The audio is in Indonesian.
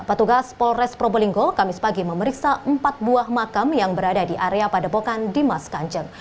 petugas polres probolinggo kamis pagi memeriksa empat buah makam yang berada di area padepokan dimas kanjeng